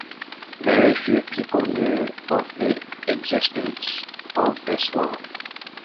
Very few people knew of the existence of this law.